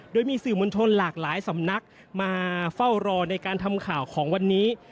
โดยมีสื่อมวลชนหลากหลายสำนักมาเฝ้ารอในการทำข่าวของวันนี้